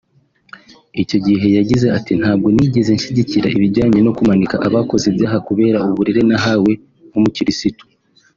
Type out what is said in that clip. Icyo gihe yagize ati “Ntabwo nigeze nshyigikira ibijyanye no kumanika abakoze ibyaha kubera uburere nahawe nk’umukirisitu